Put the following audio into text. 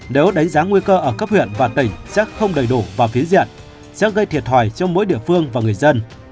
nếu đánh giá nguy cơ ở cấp huyện và tỉnh sẽ không đầy đủ và phía diện sẽ gây thiệt hại cho mỗi địa phương và người dân